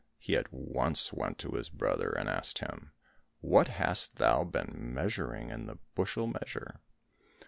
He at once went to his brother and asked him, "What hast thou been measuring in the bushel measure?"